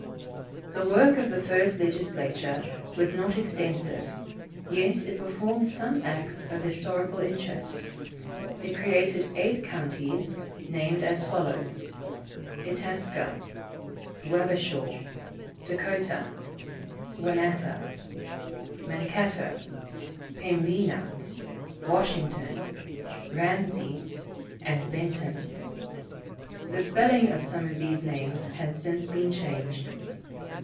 The work of the first legislature was not extensive, yet it performed some acts of historical interest. It created eight counties, named as follows: Itasca, Wabashaw, Dakota, Wahnahtah, Mankato, Pembina, Washington, Ramsey and Benton. The spelling of some of these names has since been changed.